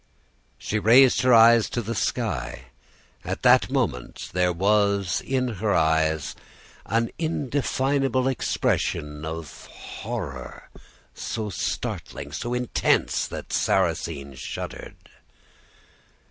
"She raised her eyes to the sky. At that moment, there was in her eyes an indefinable expression of horror, so startling, so intense, that Sarrasine shuddered.